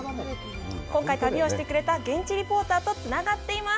今回、旅をしてくれた現地リポーターとつながっています。